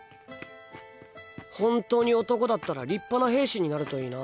本当に男だったら立派な兵士になるといいな。